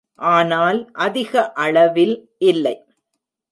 ஆனால் அதிக அளவில் இல்லை.